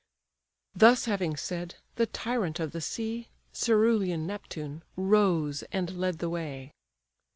Thus having said, the tyrant of the sea, Coerulean Neptune, rose, and led the way.